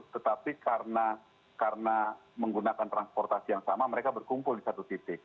tetapi karena menggunakan transportasi yang sama mereka berkumpul di satu titik